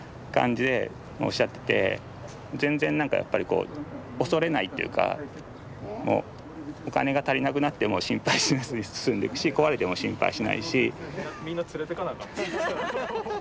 全然何かやっぱりこう恐れないっていうかもうお金が足りなくなっても心配しないで進んでいくし壊れても心配しないし。